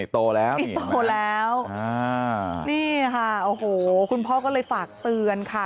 โตแล้วนี่โตแล้วนี่ค่ะโอ้โหคุณพ่อก็เลยฝากเตือนค่ะ